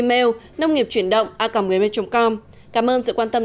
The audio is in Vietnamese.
xin chào và hẹn gặp lại